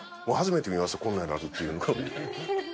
こんなになるっていうのが。